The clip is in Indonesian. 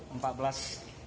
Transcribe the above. anaknya usia berapa